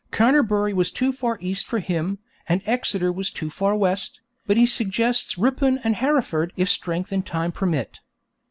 Canterbury was too far east for him, and Exeter was too far west, but he suggests Ripon and Hereford if strength and time permit.